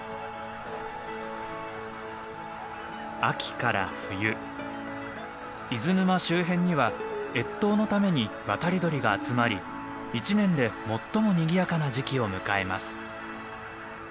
秋から冬伊豆沼周辺には越冬のために渡り鳥が集まり一年で最もにぎやかな時期を迎えます。